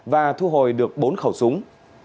và thu hồi được bốn khẩu súng